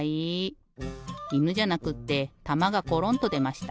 いぬじゃなくってたまがコロンっとでました。